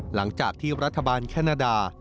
หลังจากที่รัฐบาลแคนาดา